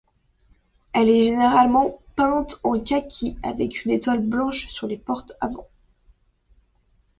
Elle est généralement peinte en kaki, avec une étoile blanche sur les portes avant.